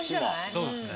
そうですね。